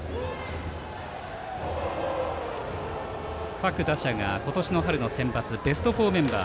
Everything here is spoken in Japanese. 各打者が今年の春のセンバツベスト４メンバー。